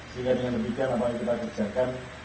sehingga dengan demikian apa yang kita kerjakan